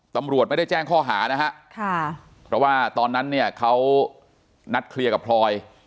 ตำรวจไม่ได้แจ้งข้อหานะฮะค่ะเพราะว่าตอนนั้นเนี่ยเขานัดเคลียร์กับพลอย